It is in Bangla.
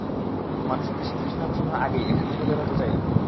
মানুষ ওকে সিংহাসনে বসানোর আগেই এখান থেকে বের হতে চাই আমি।